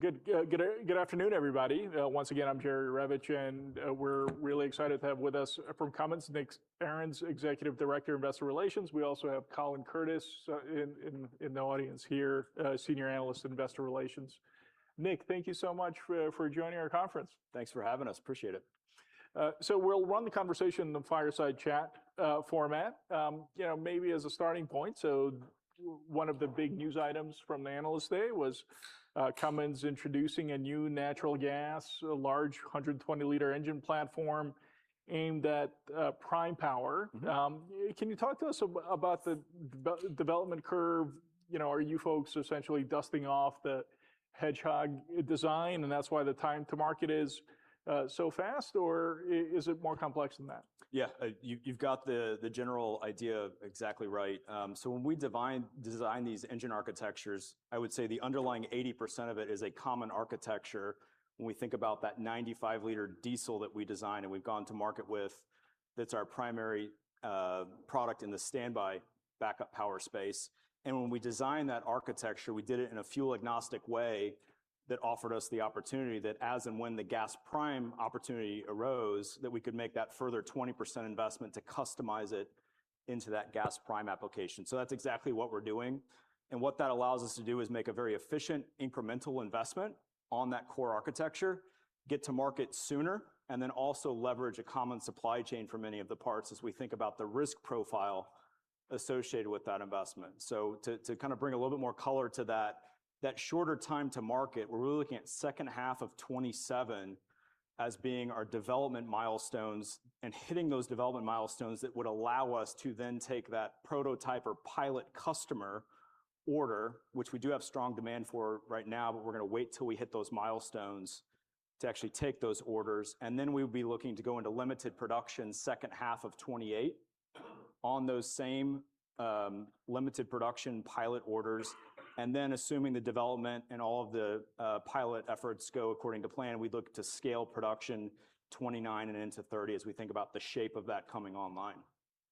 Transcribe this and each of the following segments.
Good afternoon, everybody. Once again, I'm Jerry Revich. We're really excited to have with us from Cummins, Nick Arens, Executive Director of Investor Relations. We also have Colin Curtis in the audience here, Senior Analyst, Investor Relations. Nick, thank you so much for joining our conference. Thanks for having us. Appreciate it. We'll run the conversation in the fireside chat format. Maybe as a starting point, so one of the big news items from the Analyst Day was Cummins introducing a new natural gas, large 120 L engine platform aimed at prime power. Can you talk to us about the development curve? Are you folks essentially dusting off the Hedgehog design, and that's why the time to market is so fast, or is it more complex than that? You've got the general idea exactly right. When we design these engine architectures, I would say the underlying 80% of it is a common architecture. When we think about that 95 L diesel that we designed and we've gone to market with, that's our primary product in the standby backup power space. When we designed that architecture, we did it in a fuel-agnostic way that offered us the opportunity that as and when the gas prime opportunity arose, that we could make that further 20% investment to customize it into that gas prime application. That's exactly what we're doing. What that allows us to do is make a very efficient incremental investment on that core architecture, get to market sooner, and also leverage a common supply chain for many of the parts as we think about the risk profile associated with that investment. To bring a little bit more color to that shorter time to market, we're really looking at second half of 2027 as being our development milestones and hitting those development milestones that would allow us to then take that prototype or pilot customer order, which we do have strong demand for right now, we're going to wait till we hit those milestones to actually take those orders. Then we'll be looking to go into limited production second half of 2028 on those same limited production pilot orders. Assuming the development and all of the pilot efforts go according to plan, we'd look to scale production 2029 and into 2030 as we think about the shape of that coming online.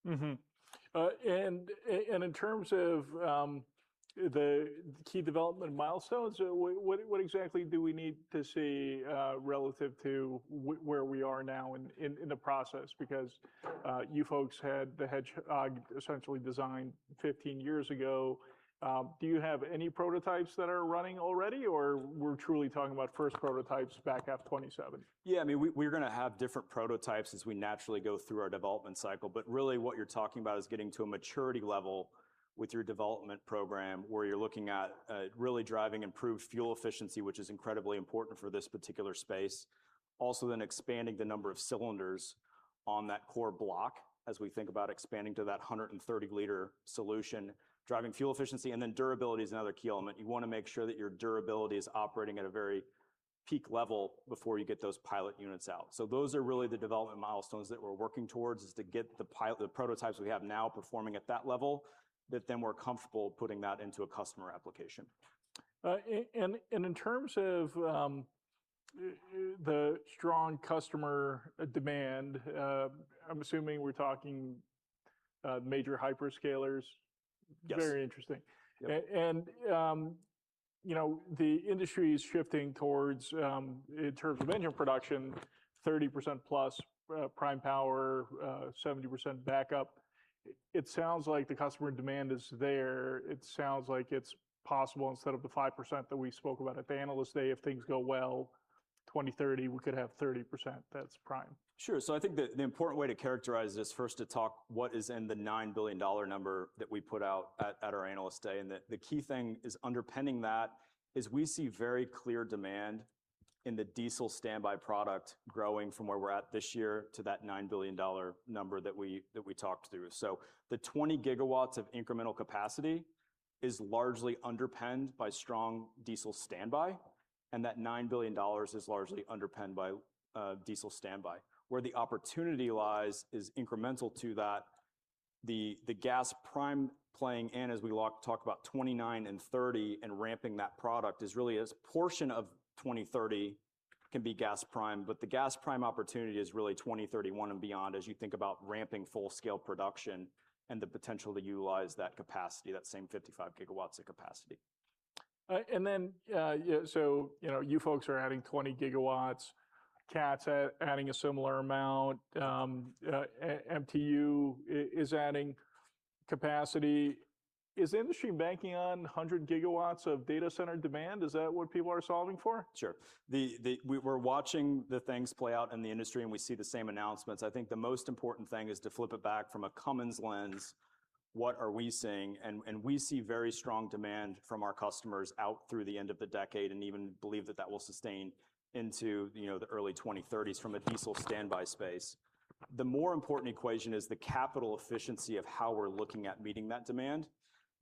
In terms of the key development milestones, what exactly do we need to see relative to where we are now in the process? Because you folks had the Hedgehog essentially designed 15 years ago. Do you have any prototypes that are running already, or we're truly talking about first prototypes back half 2027? Yeah, we're going to have different prototypes as we naturally go through our development cycle. Really what you're talking about is getting to a maturity level with your development program, where you're looking at really driving improved fuel efficiency, which is incredibly important for this particular space. Also then expanding the number of cylinders on that core block as we think about expanding to that 130 L solution. Driving fuel efficiency and then durability is another key element. You want to make sure that your durability is operating at a very peak level before you get those pilot units out. Those are really the development milestones that we're working towards, is to get the prototypes we have now performing at that level, that then we're comfortable putting that into a customer application. In terms of the strong customer demand, I'm assuming we're talking major hyperscalers. Yes. Very interesting. Yep. The industry is shifting towards, in terms of engine production, 30%+ prime power, 70% backup. It sounds like the customer demand is there. It sounds like it's possible, instead of the 5% that we spoke about at the Analyst Day, if things go well, 2020, 2030, we could have 30% that's prime. Sure. I think that the important way to characterize this, first to talk what is in the $9 billion number that we put out at our Analyst Day, and the key thing is underpinning that, is we see very clear demand in the diesel standby product growing from where we're at this year to that $9 billion number that we talked through. The 20 GW of incremental capacity is largely underpinned by strong diesel standby, and that $9 billion is largely underpinned by diesel standby. Where the opportunity lies is incremental to that. The gas prime playing in as we talk about 2029 and 2030 and ramping that product is really a portion of 2030 can be gas prime, but the gas prime opportunity is really 2031 and beyond, as you think about ramping full-scale production and the potential to utilize that capacity, that same 55 GW of capacity. You folks are adding 20 GW. Cat's adding a similar amount. MTU is adding capacity. Is industry banking on 100 GW of data center demand? Is that what people are solving for? Sure. We're watching the things play out in the industry. We see the same announcements. I think the most important thing is to flip it back from a Cummins lens, what are we seeing? We see very strong demand from our customers out through the end of the decade, and even believe that that will sustain into the early 2030s from a diesel standby space. The more important equation is the capital efficiency of how we're looking at meeting that demand.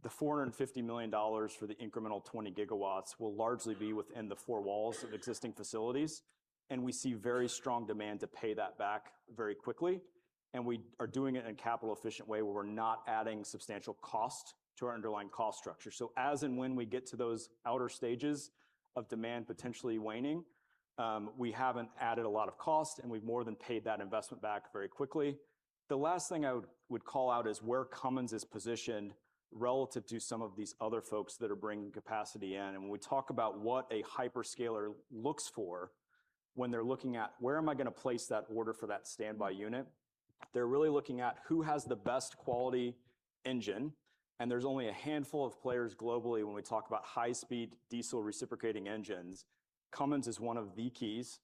The $450 million for the incremental 20 GW will largely be within the four walls of existing facilities, and we see very strong demand to pay that back very quickly, and we are doing it in a capital-efficient way, where we're not adding substantial cost to our underlying cost structure. As and when we get to those outer stages of demand potentially waning. We haven't added a lot of cost, and we've more than paid that investment back very quickly. The last thing I would call out is where Cummins is positioned relative to some of these other folks that are bringing capacity in. When we talk about what a hyperscaler looks for when they're looking at where am I going to place that order for that standby unit, they're really looking at who has the best quality engine, and there's only a handful of players globally when we talk about high-speed diesel reciprocating engines. Cummins is one of the keys.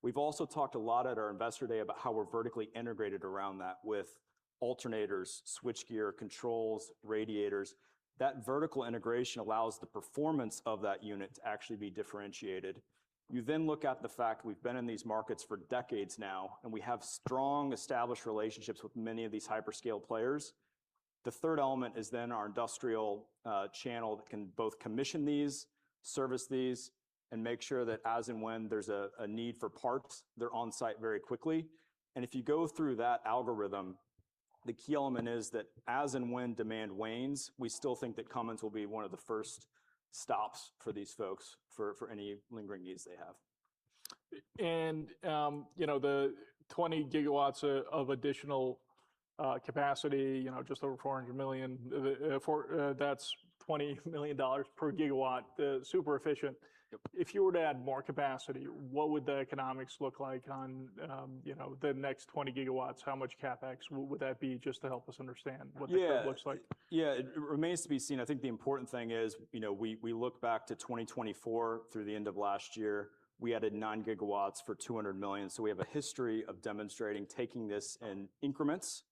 We've also talked a lot at our Investor Day about how we're vertically integrated around that with alternators, switchgear, controls, radiators. That vertical integration allows the performance of that unit to actually be differentiated. You look at the fact we've been in these markets for decades now, we have strong, established relationships with many of these hyperscale players. The third element is our industrial channel that can both commission these, service these, and make sure that as and when there's a need for parts, they're on-site very quickly. If you go through that algorithm, the key element is that as and when demand wanes, we still think that Cummins will be one of the first stops for these folks for any lingering needs they have. The 20 GW of additional capacity, just over $400 million, that's $20 million per gigawatt. Super efficient. Yep. If you were to add more capacity, what would the economics look like on the next 20 GW? How much CapEx would that be, just to help us understand what that- Yeah looks like? Yeah. It remains to be seen. I think the important thing is we look back to 2024 through the end of last year. We added 9 GW for $200 million, so we have a history of demonstrating taking this in increments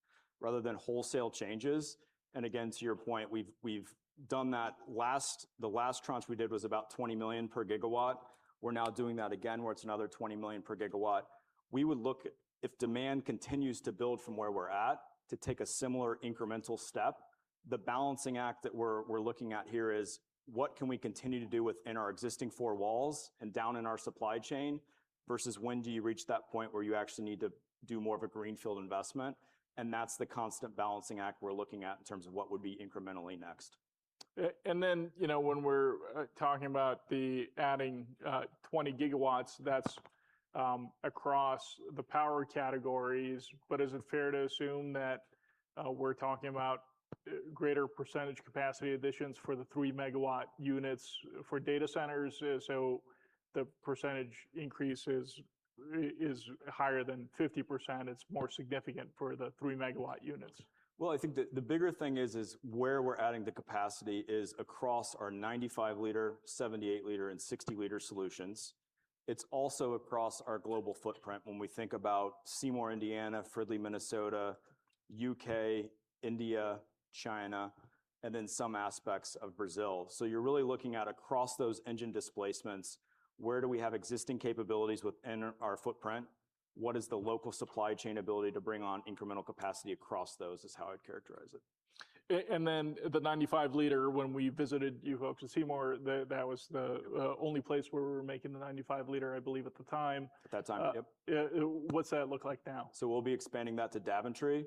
rather than wholesale changes. Again, to your point, we've done that. The last tranche we did was about $20 million per gigawatt. We're now doing that again, where it's another $20 million per gigawatt. We would look, if demand continues to build from where we're at, to take a similar incremental step. The balancing act that we're looking at here is what can we continue to do within our existing four walls and down in our supply chain, versus when do you reach that point where you actually need to do more of a greenfield investment? That's the constant balancing act we're looking at in terms of what would be incrementally next. When we're talking about the adding 20 GW, that's across the power categories, but is it fair to assume that we're talking about greater percentage capacity additions for the 3 MW units for data centers, so the percentage increase is higher than 50%, it's more significant for the 3 MW units? Well, I think the bigger thing is where we're adding the capacity is across our 95 L, 78 L, and 60 L solutions. It's also across our global footprint when we think about Seymour, Indiana, Fridley, Minnesota, U.K., India, China, and some aspects of Brazil. You're really looking at across those engine displacements, where do we have existing capabilities within our footprint? What is the local supply chain ability to bring on incremental capacity across those, is how I'd characterize it. The 95 L, when we visited you folks in Seymour, that was the only place where we were making the 95 L, I believe at the time. At that time, yep. What's that look like now? We'll be expanding that to Daventry,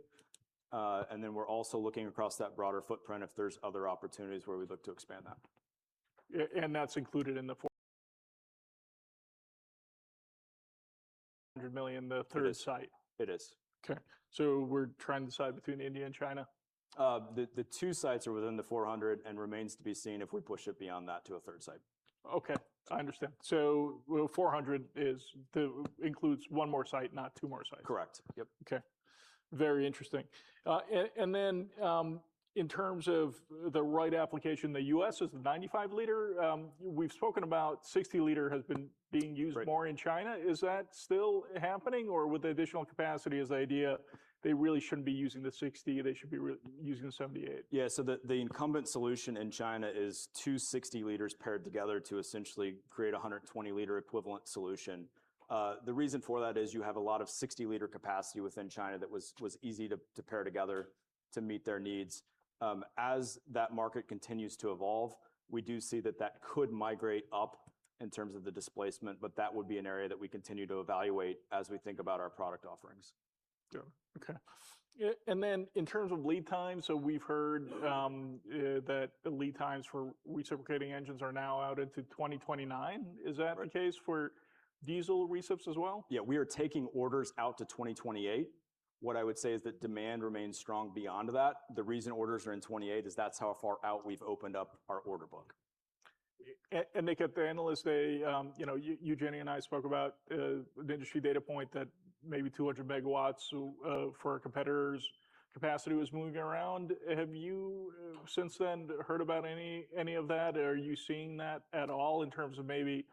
and then we're also looking across that broader footprint if there's other opportunities where we'd look to expand that. That's included in the $400 million, the third site? It is. Okay. We're trying to decide between India and China? The two sites are within the $400 and remains to be seen if we push it beyond that to a third site. Okay. I understand. 400 includes one more site, not two more sites. Correct. Yep. Okay. Very interesting. Then in terms of the right application, the U.S. is the 95 L. We've spoken about 60 L has been being used. Right more in China. Is that still happening, or with the additional capacity is the idea they really shouldn't be using the 60, they should be using the 78? Yeah. The incumbent solution in China is two 60 L paired together to essentially create 120 L equivalent solution. The reason for that is you have a lot of 60 L capacity within China that was easy to pair together to meet their needs. As that market continues to evolve, we do see that that could migrate up in terms of the displacement, but that would be an area that we continue to evaluate as we think about our product offerings. Sure. Okay. Then in terms of lead time, we've heard that the lead times for reciprocating engines are now out into 2029. Is that the case for diesel recips as well? Yeah. We are taking orders out to 2028. What I would say is that demand remains strong beyond that. The reason orders are in 2028 is that's how far out we've opened up our order book. Nick, at the Analyst Day, [Eugenie] and I spoke about an industry data point that maybe 200 MW for a competitor's capacity was moving around. Have you, since then, heard about any of that? Are you seeing that at all in terms of maybe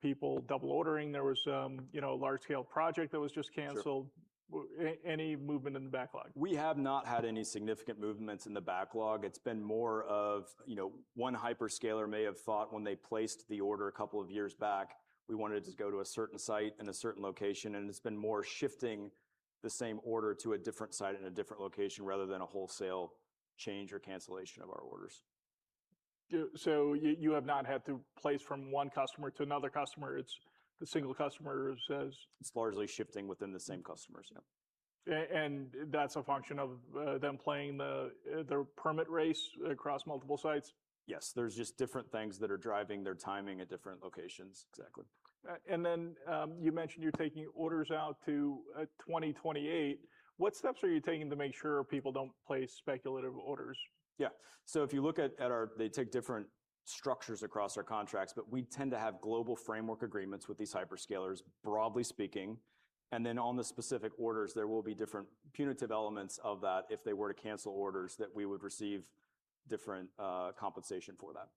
people double ordering? There was a large-scale project that was just canceled. Sure. Any movement in the backlog? We have not had any significant movements in the backlog. It's been more of one hyperscaler may have thought when they placed the order a couple of years back, "We want it to go to a certain site and a certain location," and it's been more shifting the same order to a different site and a different location rather than a wholesale change or cancellation of our orders. You have not had to place from one customer to another customer, it's the single customer who says- It's largely shifting within the same customers. Yep. That's a function of them playing the permit race across multiple sites? Yes. There's just different things that are driving their timing at different locations. Exactly. You mentioned you're taking orders out to 2028. What steps are you taking to make sure people don't place speculative orders? Yeah. If you look at our, they take different structures across our contracts, but we tend to have global framework agreements with these hyperscalers, broadly speaking. On the specific orders, there will be different punitive elements of that if they were to cancel orders, that we would receive different compensation for that.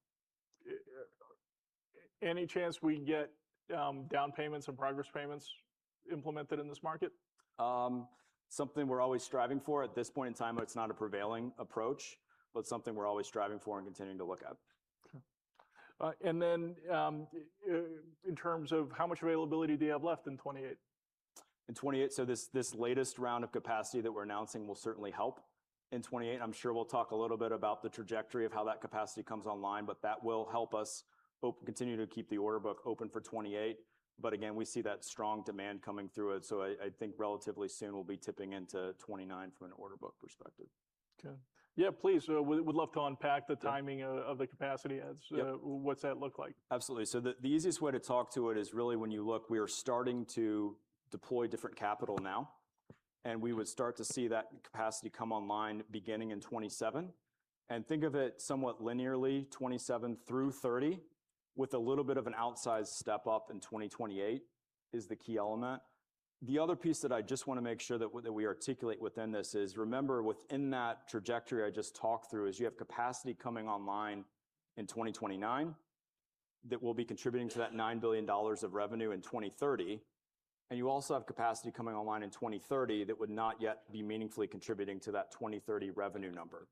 Any chance we can get down payments and progress payments implemented in this market? Something we're always striving for. At this point in time, it's not a prevailing approach, but something we're always striving for and continuing to look at. Okay. In terms of how much availability do you have left in 2028? In 2028, this latest round of capacity that we're announcing will certainly help. In 2028, I'm sure we'll talk a little bit about the trajectory of how that capacity comes online, but that will help us continue to keep the order book open for 2028. Again, we see that strong demand coming through it. I think relatively soon we'll be tipping into 2029 from an order book perspective. Okay. Yeah, please, would love to unpack the timing of the capacity adds. Yep. What's that look like? Absolutely. The easiest way to talk to it is really when you look, we are starting to deploy different capital now, and we would start to see that capacity come online beginning in 2027. Think of it somewhat linearly, 2027 through 2030, with a little bit of an outsized step-up in 2028 is the key element. The other piece that I just want to make sure that we articulate within this is, remember within that trajectory I just talked through, is you have capacity coming online in 2029 that will be contributing to that $9 billion of revenue in 2030. You also have capacity coming online in 2030 that would not yet be meaningfully contributing to that 2030 revenue number.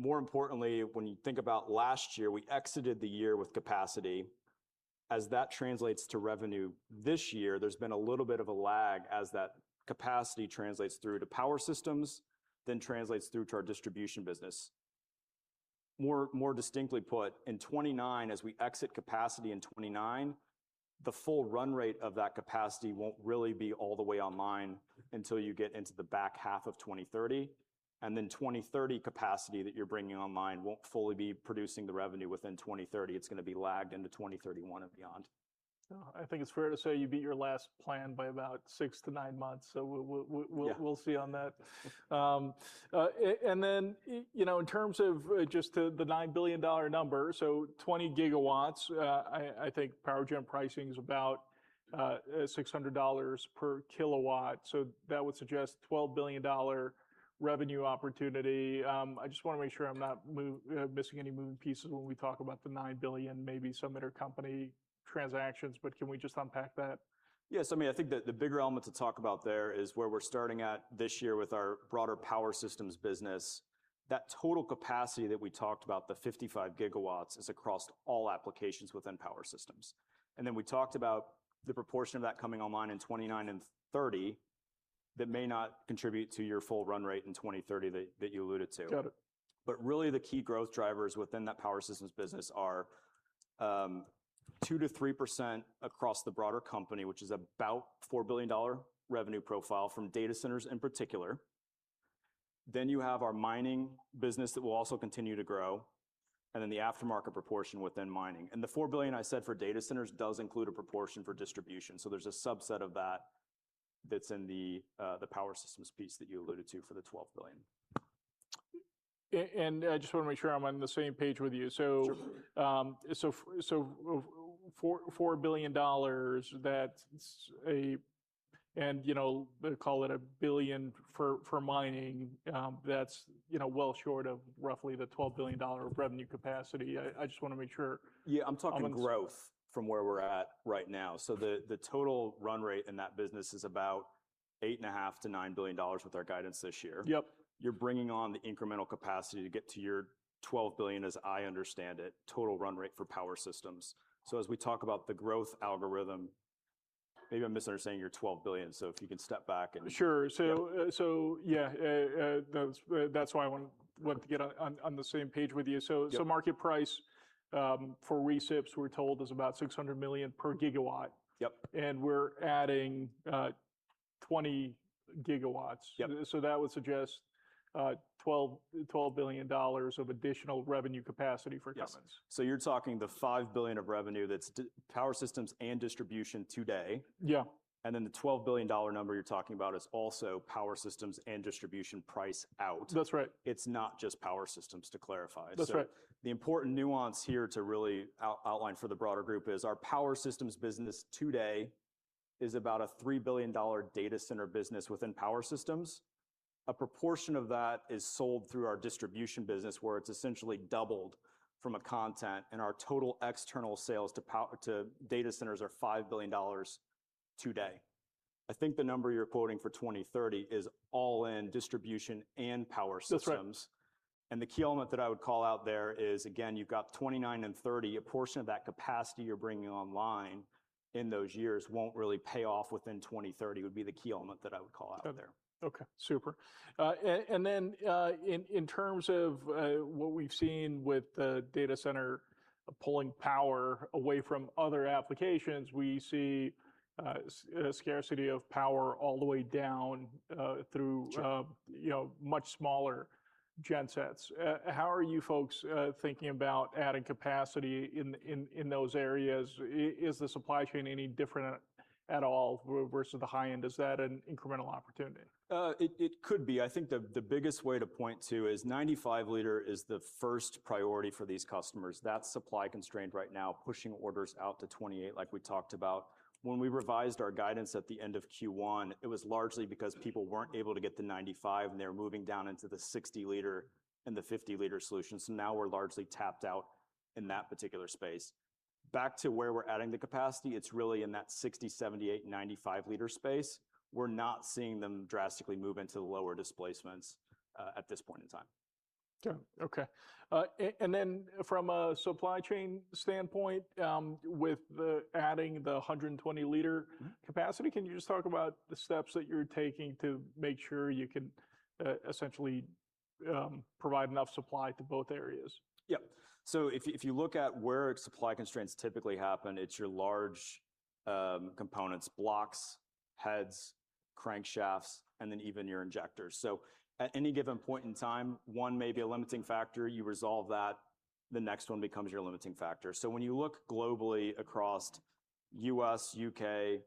More importantly, when you think about last year, we exited the year with capacity. As that translates to revenue this year, there's been a little bit of a lag as that capacity translates through to power systems, then translates through to our distribution business. More distinctly put, in 2029, as we exit capacity in 2029, the full run rate of that capacity won't really be all the way online until you get into the back half of 2030. 2030 capacity that you're bringing online won't fully be producing the revenue within 2030. It's going to be lagged into 2031 and beyond. I think it's fair to say you beat your last plan by about six to nine months. So we'll. Yeah See on that. In terms of just the $9 billion number, 20 GW, I think PowerGen pricing is about $600 per kilowatt, so that would suggest $12 billion revenue opportunity. I just want to make sure I'm not missing any moving pieces when we talk about the $9 billion, maybe some intercompany transactions, can we just unpack that? Yes. I think the bigger element to talk about there is where we're starting at this year with our broader power systems business. That total capacity that we talked about, the 55 GW, is across all applications within power systems. We talked about the proportion of that coming online in 2029 and 2030 that may not contribute to your full run rate in 2030 that you alluded to. Got it. Really the key growth drivers within that power systems business are 2%-3% across the broader company, which is about $4 billion revenue profile from data centers in particular. You have our mining business that will also continue to grow, and then the aftermarket proportion within mining. The $4 billion I said for data centers does include a proportion for distribution. There's a subset of that that's in the power systems piece that you alluded to for the $12 billion. I just want to make sure I'm on the same page with you. Sure. $4 billion, and call it a billion for mining. That's well short of roughly the $12 billion of revenue capacity. I just want to make sure. I'm talking growth from where we're at right now. The total run rate in that business is about $8.5 billion-$9 billion with our guidance this year. Yep. You're bringing on the incremental capacity to get to your $12 billion, as I understand it, total run rate for power systems. As we talk about the growth algorithm, maybe I'm misunderstanding your $12 billion. If you can step back. Sure. Yeah. That's why I wanted to get on the same page with you. Yep. Market price for recips, we're told, is about $600 million per gigawatt. Yep. We're adding 20 GW. Yep. That would suggest $12 billion of additional revenue capacity for Cummins. Yes. You're talking the $5 billion of revenue that's Power Systems and Distribution today. Yeah. The $12 billion number you're talking about is also Power Systems and Distribution price out. That's right. It's not just power systems, to clarify. That's right. The important nuance here to really outline for the broader group is our power systems business today is about a $3 billion data center business within power systems. A proportion of that is sold through our distribution business where it's essentially doubled from a content, and our total external sales to data centers are $5 billion today. I think the number you're quoting for 2030 is all in distribution and power systems. That's right. The key element that I would call out there is, again, you've got 2029 and 2030. A portion of that capacity you're bringing online in those years won't really pay off within 2030, would be the key element that I would call out there. Okay. Super. Then, in terms of what we've seen with the data center pulling power away from other applications, we see a scarcity of power all the way down. Sure Much smaller gensets. How are you folks thinking about adding capacity in those areas? Is the supply chain any different at all versus the high end? Is that an incremental opportunity? It could be. I think the biggest way to point to is 95 L is the first priority for these customers. That's supply constrained right now, pushing orders out to 2028, like we talked about. When we revised our guidance at the end of Q1, it was largely because people weren't able to get the 95, and they were moving down into the 60 L and the 50 L solutions. Now we're largely tapped out in that particular space. Back to where we're adding the capacity, it's really in that 60, 78, 95 L space. We're not seeing them drastically move into the lower displacements at this point in time. Sure. Okay. From a supply chain standpoint, with adding the 120 L capacity, can you just talk about the steps that you're taking to make sure you can essentially provide enough supply to both areas? Yep. If you look at where supply constraints typically happen, it's your large components, blocks, heads, crankshafts, and then even your injectors. At any given point in time, one may be a limiting factor. You resolve that, the next one becomes your limiting factor. When you look globally across U.S., U.K.,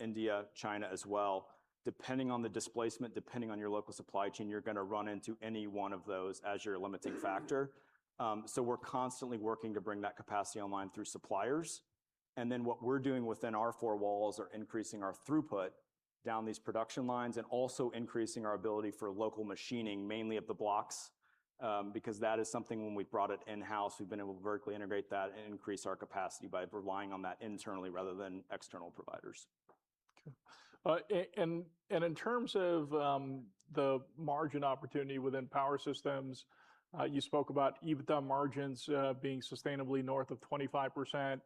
India, China as well, depending on the displacement, depending on your local supply chain, you're going to run into any one of those as your limiting factor. We're constantly working to bring that capacity online through suppliers. What we're doing within our four walls are increasing our throughput down these production lines and also increasing our ability for local machining, mainly of the blocks, because that is something when we brought it in-house, we've been able to vertically integrate that and increase our capacity by relying on that internally rather than external providers. Okay. In terms of the margin opportunity within Power Systems, you spoke about EBITDA margins being sustainably north of 25%.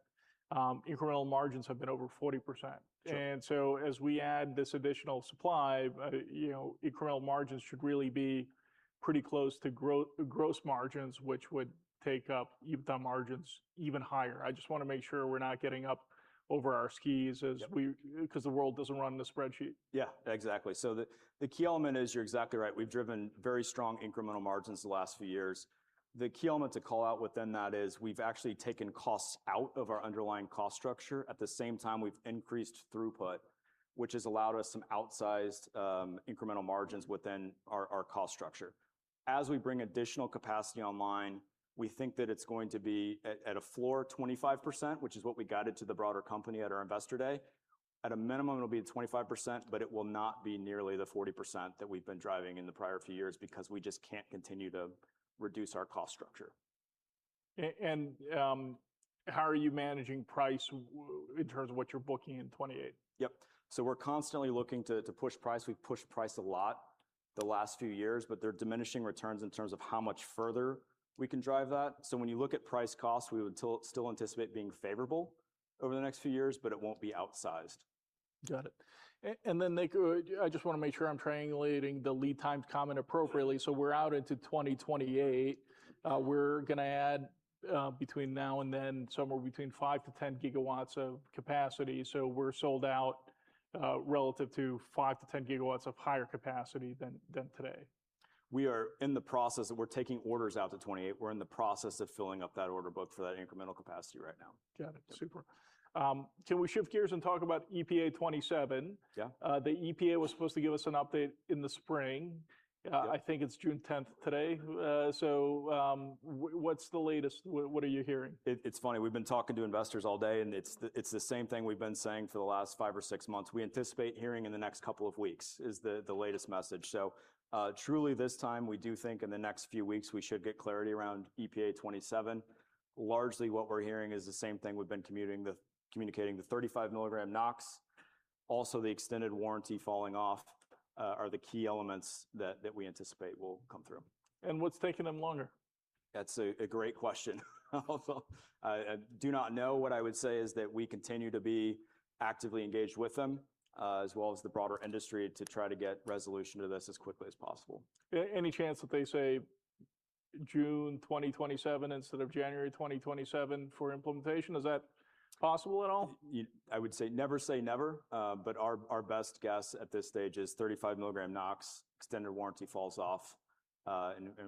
Incremental margins have been over 40%. Sure. As we add this additional supply, incremental margins should really be pretty close to gross margins, which would take up EBITDA margins even higher. I just want to make sure we're not getting up over our skis. Yep The world doesn't run in a spreadsheet. Exactly. The key element is you're exactly right. We've driven very strong incremental margins the last few years. The key element to call out within that is we've actually taken costs out of our underlying cost structure. At the same time, we've increased throughput, which has allowed us some outsized incremental margins within our cost structure. As we bring additional capacity online, we think that it's going to be at a floor of 25%, which is what we guided to the broader company at our Investor Day. At a minimum, it'll be at 25%, but it will not be nearly the 40% that we've been driving in the prior few years, because we just can't continue to reduce our cost structure. How are you managing price in terms of what you're booking in 2028? Yep. We're constantly looking to push price. We've pushed price a lot the last few years, but there are diminishing returns in terms of how much further we can drive that. When you look at price cost, we would still anticipate being favorable over the next few years, but it won't be outsized. Got it. I just want to make sure I'm triangulating the lead time comment appropriately. We're out into 2028. We're going to add between now and then somewhere between 5 GW-10 GW of capacity. We're sold out, relative to 5 GW-10 GW of higher capacity than today. We are in the process of we're taking orders out to 2028. We're in the process of filling up that order book for that incremental capacity right now. Got it. Super. Can we shift gears and talk about EPA 2027? Yeah. The EPA was supposed to give us an update in the spring. Yeah. I think it's June 10th today. What's the latest? What are you hearing? It's funny, we've been talking to investors all day, it's the same thing we've been saying for the last five or six months. We anticipate hearing in the next couple of weeks is the latest message. Truly this time, we do think in the next few weeks, we should get clarity around EPA 2027. Largely what we're hearing is the same thing we've been communicating, the 35 mg NOx, also the extended warranty falling off, are the key elements that we anticipate will come through. What's taking them longer? That's a great question. Also, I do not know. What I would say is that we continue to be actively engaged with them, as well as the broader industry, to try to get resolution to this as quickly as possible. Any chance that they say June 2027 instead of January 2027 for implementation? Is that possible at all? I would say never say never. Our best guess at this stage is 35 mg NOx, extended warranty falls off.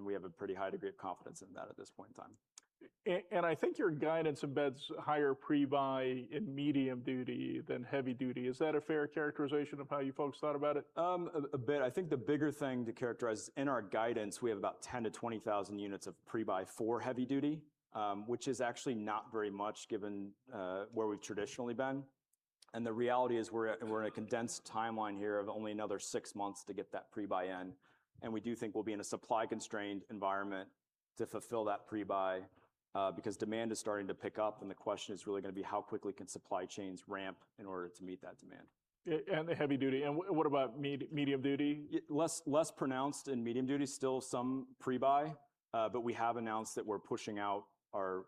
We have a pretty high degree of confidence in that at this point in time. I think your guidance embeds higher pre-buy in medium duty than heavy duty. Is that a fair characterization of how you folks thought about it? A bit. I think the bigger thing to characterize, in our guidance, we have about 10,000-20,000 units of pre-buy for heavy duty. Which is actually not very much given where we've traditionally been. The reality is we're in a condensed timeline here of only another six months to get that pre-buy in. We do think we'll be in a supply-constrained environment to fulfill that pre-buy because demand is starting to pick up. The question is really going to be how quickly can supply chains ramp in order to meet that demand. Yeah. The heavy duty. What about medium duty? Less pronounced in medium duty. Still some pre-buy. We have announced that we're pushing out our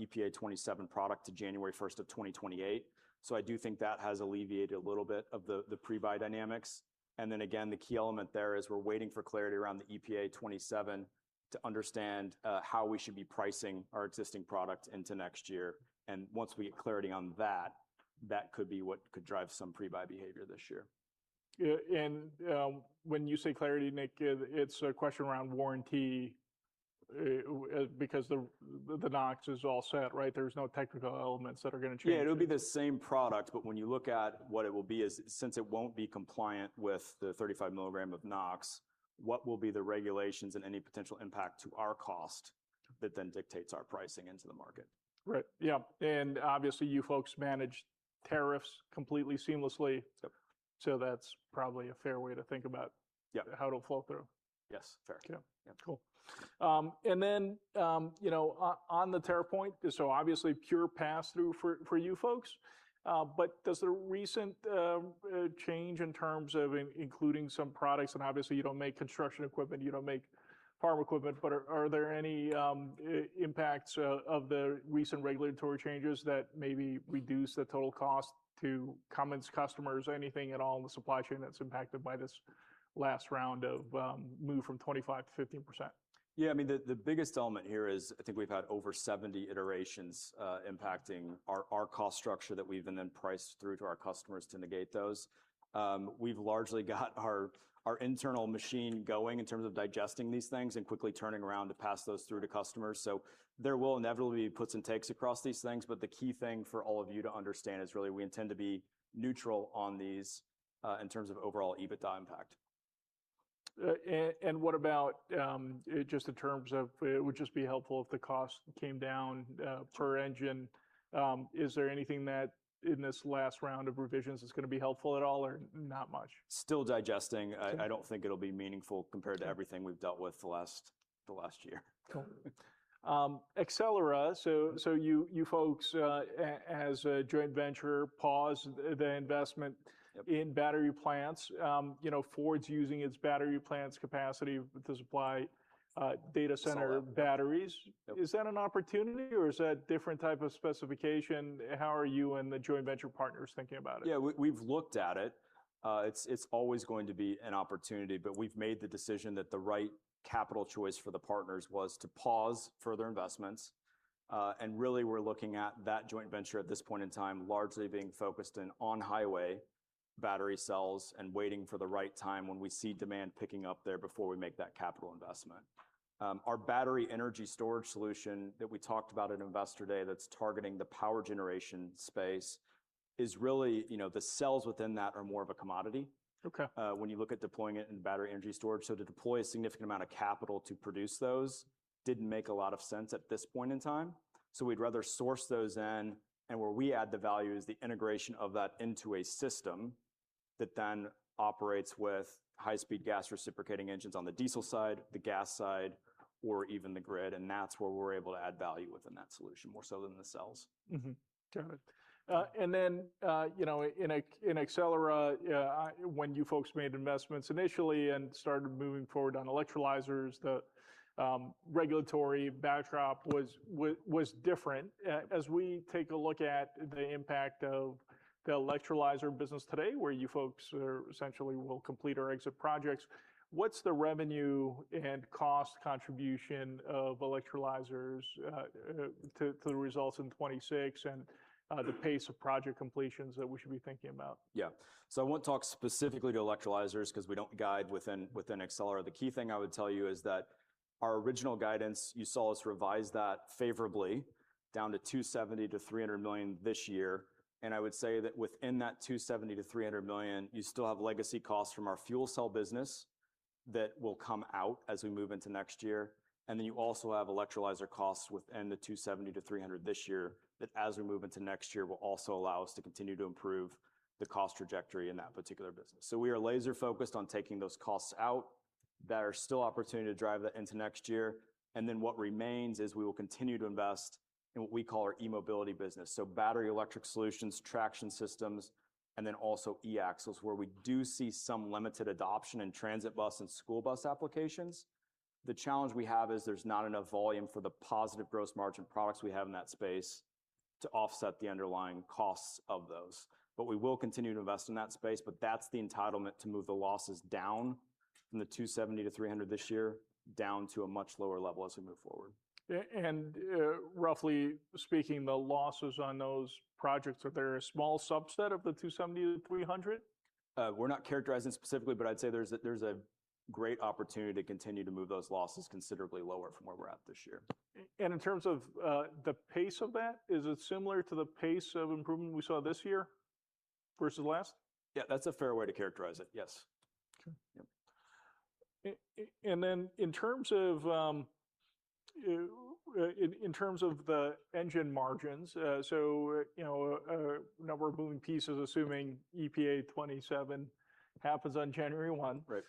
EPA 2027 product to January 1st of 2028. I do think that has alleviated a little bit of the pre-buy dynamics. Again, the key element there is we're waiting for clarity around the EPA 2027 to understand how we should be pricing our existing product into next year. Once we get clarity on that could be what could drive some pre-buy behavior this year. Yeah. When you say clarity, Nick, it's a question around warranty because the NOx is all set, right? There's no technical elements that are going to change. Yeah. It'll be the same product. When you look at what it will be, since it won't be compliant with the 35 mg NOx, what will be the regulations and any potential impact to our cost that then dictates our pricing into the market. Right. Yeah. Obviously you folks manage tariffs completely seamlessly. Yep. That's probably a fair way to think about Yeah how it'll flow through. Yes. Fair. Yeah. Cool. Then, on the tariff point, obviously pure pass-through for you folks, but does the recent change in terms of including some products, and obviously you don't make construction equipment, you don't make farm equipment, but are there any impacts of the recent regulatory changes that maybe reduce the total cost to Cummins customers? Anything at all in the supply chain that's impacted by this last round of move from 25% to 15%? The biggest element here is I think we've had over 70 iterations impacting our cost structure that we've then priced through to our customers to negate those. We've largely got our internal machine going in terms of digesting these things and quickly turning around to pass those through to customers. There will inevitably be puts and takes across these things, but the key thing for all of you to understand is really we intend to be neutral on these, in terms of overall EBITDA impact. What about just in terms of it would just be helpful if the cost came down per engine. Is there anything that in this last round of revisions is going to be helpful at all or not much? Still digesting. I don't think it'll be meaningful compared to everything we've dealt with the last year. Cool. Accelera, you folks as a joint venture paused the investment in battery plants. Ford's using its battery plants capacity to supply data center batteries. Yep. Is that an opportunity or is that different type of specification? How are you and the joint venture partners thinking about it? Yeah. We've looked at it. It's always going to be an opportunity. We've made the decision that the right capital choice for the partners was to pause further investments. Really, we're looking at that joint venture at this point in time largely being focused in on-highway battery cells and waiting for the right time when we see demand picking up there before we make that capital investment. Our battery energy storage solution that we talked about at Investor Day that's targeting the power generation space is really the cells within that are more of a commodity Okay When you look at deploying it in battery energy storage. To deploy a significant amount of capital to produce those didn't make a lot of sense at this point in time. We'd rather source those in, and where we add the value is the integration of that into a system that then operates with high-speed gas reciprocating engines on the diesel side, the gas side, or even the grid, and that's where we're able to add value within that solution more so than the cells. Mm-hmm. Got it. In Accelera, when you folks made investments initially and started moving forward on electrolyzers, the regulatory backdrop was different. As we take a look at the impact of the electrolyzer business today, where you folks are essentially will complete our exit projects, what's the revenue and cost contribution of electrolyzers to the results in 2026 and the pace of project completions that we should be thinking about? Yeah. I won't talk specifically to electrolyzers because we don't guide within Accelera. The key thing I would tell you is that our original guidance, you saw us revise that favorably down to $270 million-$300 million this year, I would say that within that $270 million-$300 million, you still have legacy costs from our fuel cell business that will come out as we move into next year. You also have electrolyzer costs within the $270 million-$300 million this year that as we move into next year will also allow us to continue to improve the cost trajectory in that particular business. We are laser-focused on taking those costs out that are still opportunity to drive that into next year. What remains is we will continue to invest in what we call our e-mobility business, battery electric solutions, traction systems, e-axles where we do see some limited adoption in transit bus and school bus applications. The challenge we have is there's not enough volume for the positive gross margin products we have in that space to offset the underlying costs of those. We will continue to invest in that space, but that's the entitlement to move the losses down from the $270 million-$300 million this year down to a much lower level as we move forward. Roughly speaking, the losses on those projects, are they a small subset of the $270 million-$300 million? We're not characterizing specifically, but I'd say there's a great opportunity to continue to move those losses considerably lower from where we're at this year. In terms of the pace of that, is it similar to the pace of improvement we saw this year versus last? Yeah, that's a fair way to characterize it. Yes. In terms of the engine margins, so a number of moving pieces, assuming EPA 2027 happens on January 1. Right.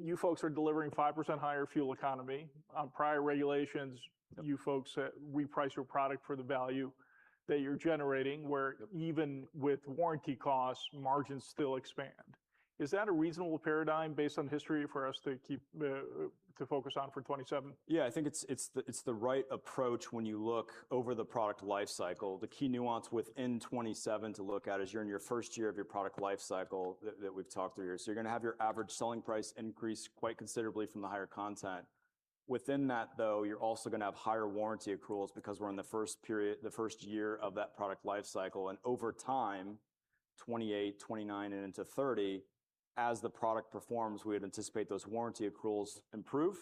You folks are delivering 5% higher fuel economy on prior regulations. You folks reprice your product for the value that you're generating, where even with warranty costs, margins still expand. Is that a reasonable paradigm based on history for us to focus on for 2027? Yeah, I think it's the right approach when you look over the product life cycle. The key nuance within 2027 to look at is you're in your first year of your product life cycle that we've talked through here. You're going to have your average selling price increase quite considerably from the higher content. Within that, though, you're also going to have higher warranty accruals because we're in the first year of that product life cycle. Over time, 2028, 2029, and into 2030, as the product performs, we would anticipate those warranty accruals improve.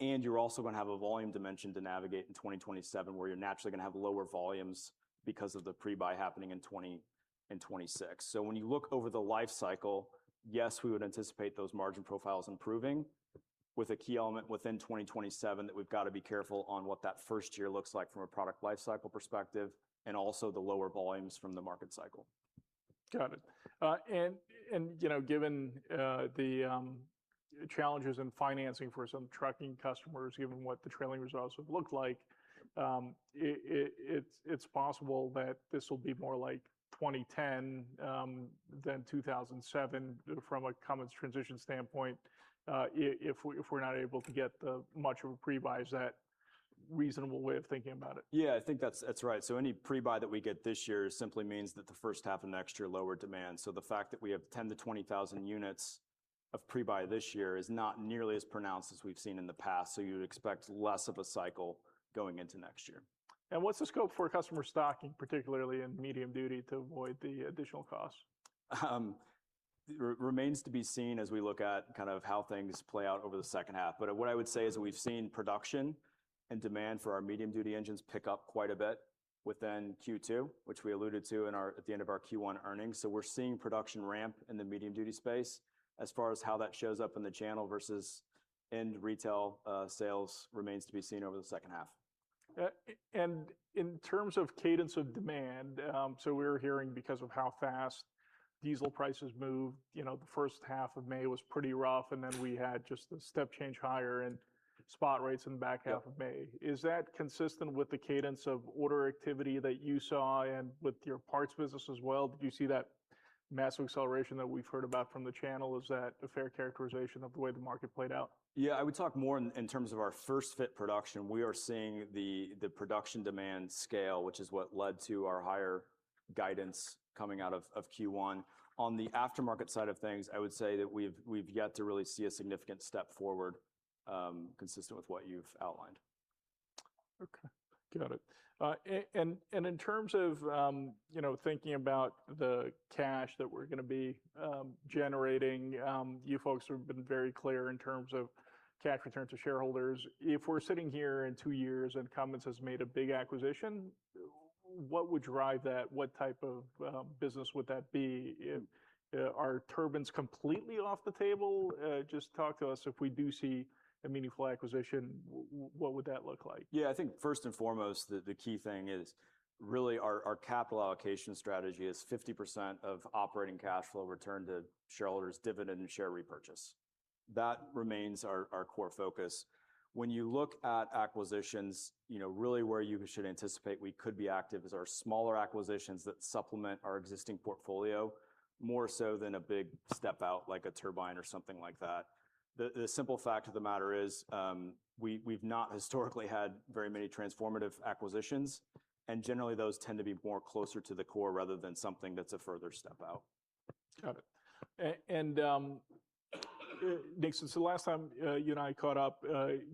You're also going to have a volume dimension to navigate in 2027, where you're naturally going to have lower volumes because of the pre-buy happening in 2026. When you look over the life cycle, yes, we would anticipate those margin profiles improving with a key element within 2027 that we've got to be careful on what that first year looks like from a product life cycle perspective, and also the lower volumes from the market cycle. Got it. Given the challenges in financing for some trucking customers, given what the trailing results have looked like, it's possible that this will be more like 2010 than 2007 from a Cummins transition standpoint, if we're not able to get much of a pre-buy. Is that reasonable way of thinking about it? I think that's right. Any pre-buy that we get this year simply means that the first half of next year, lower demand. The fact that we have 10,000-20,000 units of pre-buy this year is not nearly as pronounced as we've seen in the past. You would expect less of a cycle going into next year. What's the scope for customer stocking, particularly in medium duty, to avoid the additional cost? Remains to be seen as we look at kind of how things play out over the second half. What I would say is we've seen production and demand for our medium duty engines pick up quite a bit within Q2, which we alluded to at the end of our Q1 earnings. We're seeing production ramp in the medium duty space. As far as how that shows up in the channel versus end retail sales remains to be seen over the second half. In terms of cadence of demand, we're hearing because of how fast diesel prices move, the first half of May was pretty rough, we had just a step change higher in spot rates in the back half of May. Is that consistent with the cadence of order activity that you saw and with your parts business as well? Did you see that massive acceleration that we've heard about from the channel? Is that a fair characterization of the way the market played out? Yeah. I would talk more in terms of our first-fit production. We are seeing the production demand scale, which is what led to our higher guidance coming out of Q1. On the aftermarket side of things, I would say that we've yet to really see a significant step forward consistent with what you've outlined. Okay. Got it. In terms of thinking about the cash that we're going to be generating, you folks have been very clear in terms of cash return to shareholders. If we're sitting here in two years and Cummins has made a big acquisition, what would drive that? What type of business would that be? Are turbines completely off the table? Just talk to us, if we do see a meaningful acquisition, what would that look like? Yeah. I think first and foremost, the key thing is really our capital allocation strategy is 50% of operating cash flow return to shareholders, dividend, and share repurchase. That remains our core focus. When you look at acquisitions, really where you should anticipate we could be active is our smaller acquisitions that supplement our existing portfolio, more so than a big step out, like a turbine or something like that. The simple fact of the matter is we've not historically had very many transformative acquisitions, and generally those tend to be more closer to the core rather than something that's a further step out. Got it. Nick, the last time you and I caught up,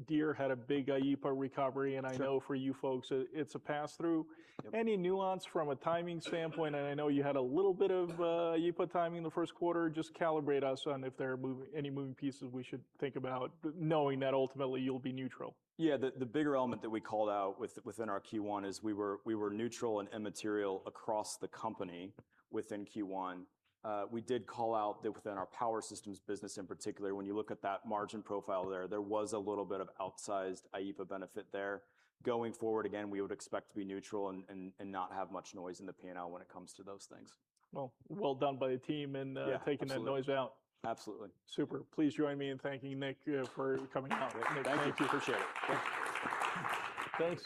Deere had a big EPA recovery. That's right. I know for you folks, it's a pass-through. Yep. Any nuance from a timing standpoint? I know you had a little bit of EPA timing in the first quarter. Just calibrate us on if there are any moving pieces we should think about, knowing that ultimately you'll be neutral. Yeah. The bigger element that we called out within our Q1 is we were neutral and immaterial across the company within Q1. We did call out that within our power systems business in particular, when you look at that margin profile there was a little bit of outsized EPA benefit there. Going forward, again, we would expect to be neutral and not have much noise in the P&L when it comes to those things. Well, well done by the team. Yeah, absolutely. Taking that noise out. Absolutely. Super. Please join me in thanking Nick for coming out. Nick, thank you. Thank you. Appreciate it.